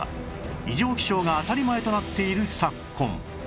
異常気象が当たり前となっている昨今